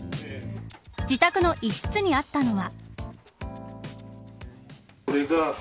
自宅の一室にあったのは。